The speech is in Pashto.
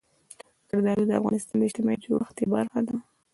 زردالو د افغانستان د اجتماعي جوړښت یوه برخه ده.